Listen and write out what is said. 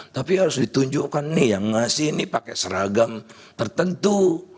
tapi harus ditunjukkan nih yang ngasih ini pakai seragam tertentu